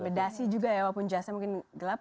bedasi juga ya walaupun jasa mungkin gelap